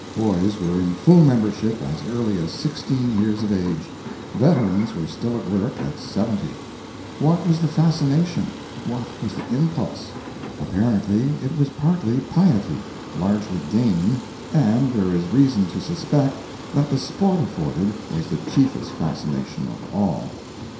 Boys were in full membership as early as 16 years of age; veterans were still at work at 70. What was the fascination, what was the impulse? Apparently, it was partly piety, largely gain, and there is reason to suspect that the sport afforded was the chiefest fascination of all.